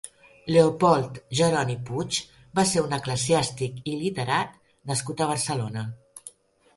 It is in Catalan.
Leopold Jeroni Puig va ser un eclesiàstic i literat nascut a Barcelona.